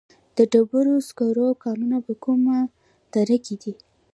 د ډبرو سکرو کانونه په کومه دره کې دي؟